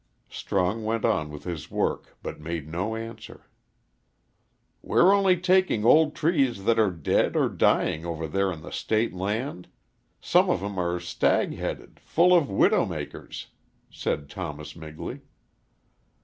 Strong went on with his work, but made no answer. "We're only taking old trees that are dead or dying over there on the State land. Some of 'em are stag headed full of 'widow makers,'" said Thomas Migley.